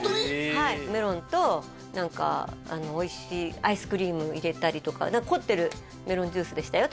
はいメロンと何かおいしいアイスクリーム入れたりとか凝ってるメロンジュースでしたよ